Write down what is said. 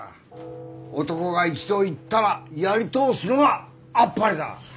男が一度言ったらやり通すのがあっぱれだ！